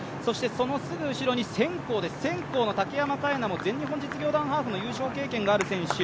その後ろにセンコーの竹山楓菜も全日本実業団ハーフの優勝経験がある選手。